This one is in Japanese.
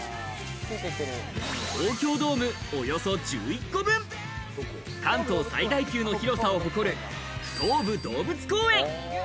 東京ドームおよそ１１個分、関東最大級の広さを誇る東武動物公園。